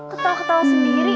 kau tahu ketahu sendiri